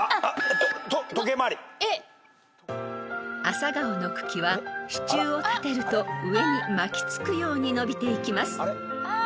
［アサガオの茎は支柱を立てると上に巻き付くように伸びていきます］